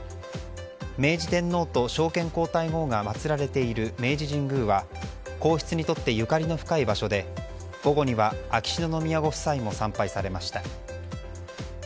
明治天皇と昭憲皇太后が祭られている明治神宮は皇室にとってゆかりの深い場所で午後には秋篠宮ご夫妻も参拝されました。